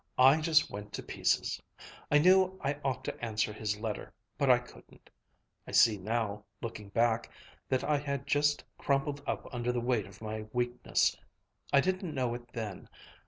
I just went to pieces. I knew I ought to answer his letter, but I couldn't. I see now, looking back, that I had just crumpled up under the weight of my weakness. I didn't know it then.